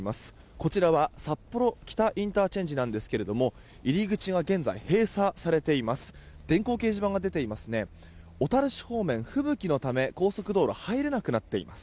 こちらは札幌北ＩＣなんですけども入り口は現在、閉鎖されています。